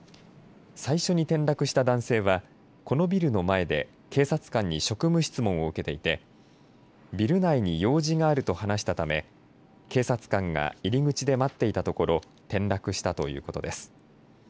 最初に転落した男性はこのビルの前で警察官に職務質問を受けていてビル内に用事があると話したため警察官が入り口で待っていたところ転落したということです。